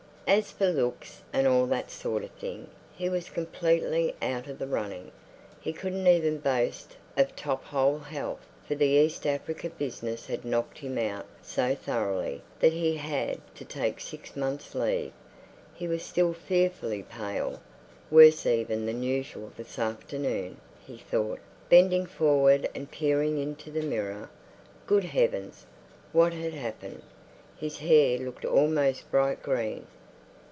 As for looks and all that sort of thing, he was completely out of the running. He couldn't even boast of top hole health, for the East Africa business had knocked him out so thoroughly that he'd had to take six months' leave. He was still fearfully pale—worse even than usual this afternoon, he thought, bending forward and peering into the mirror. Good heavens! What had happened? His hair looked almost bright green.